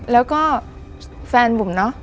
แล้วก็แฟนบุ๋มเนอะ